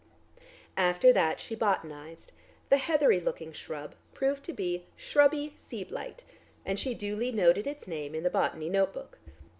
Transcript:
After that she botanised: the heathery looking shrub proved to be "shrubby sea blite," and she duly noted its name in the botany note book.